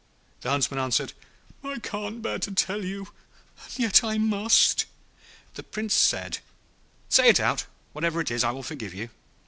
The Huntsman answered, 'I can't bear to tell you, and yet I must.' The Prince said, 'Say it out; whatever it is I will forgive you.'